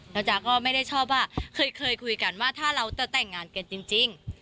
แล้วจ๊ะก็ไม่ได้ชอบว่าเคยคุยกันว่าถ้าเราจะแต่งงานกันจริง